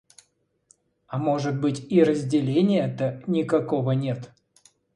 А может быть, и разделения-то никакого нет.